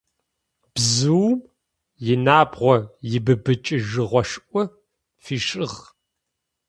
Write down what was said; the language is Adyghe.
Бзыум инабгъо ибыбыкӏыжьыгъошӏу фишӏыгъ.